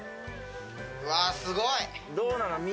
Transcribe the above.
わ、すごい！